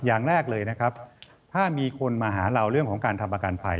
อย่างแรกเลยนะครับถ้ามีคนมาหาเราเรื่องของการทำประกันภัย